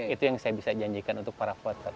itu yang saya bisa janjikan untuk para voter